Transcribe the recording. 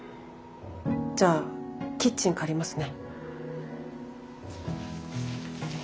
じゃあキッチン借りますね。